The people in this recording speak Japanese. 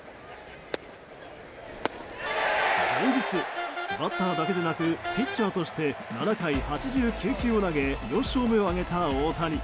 前日バッターだけでなくピッチャーとして７回８９球を投げ４勝目を挙げた大谷。